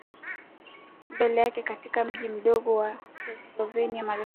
mbele yake katika mji mdogo wa Pennsylvania Marekani